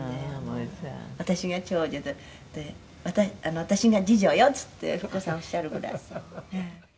「私が長女で“私が次女よ”っつってふく子さんおっしゃるぐらい」